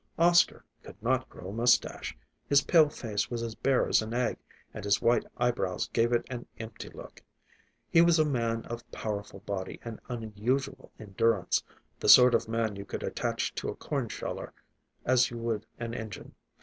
Oscar could not grow a mustache; his pale face was as bare as an egg, and his white eyebrows gave it an empty look. He was a man of powerful body and unusual endurance; the sort of man you could attach to a corn sheller as you would an engine.